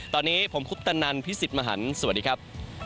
ตอนนี้ผมคุปตะนันพิศิษฐ์มหันศ์สวัสดีครับ